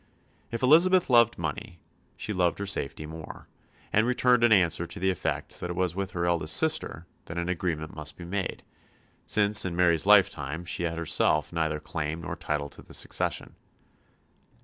If Elizabeth loved money, she loved her safety more; and returned an answer to the effect that it was with her elder sister that an agreement must be made, since in Mary's lifetime she herself had neither claim nor title to the succession.